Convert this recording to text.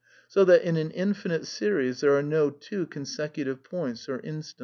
So that, in an infinite series there are no two consecutive points or instants.